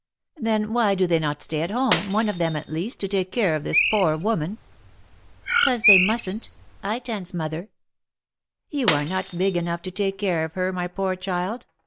" Then why do they not stay at home, one of them at least, to take care of this poor woman ?"" 'Cause they mustn't. I 'tends mother." " You are not big enough to take care of her, my poor child.